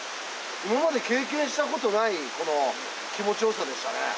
今まで経験したことないこの気持ちよさでしたね。